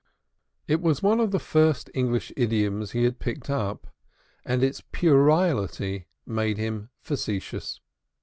It was one of the first English idioms he picked up, and its puerility made him facetious.